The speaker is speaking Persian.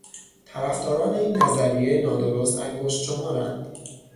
طرفداران این نظریهٔ نادرست انگشت شمار اند.